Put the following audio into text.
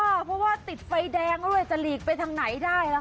ค่ะเพราะว่าติดไฟแดงก็เลยจะหลีกไปทางไหนได้ล่ะค่ะ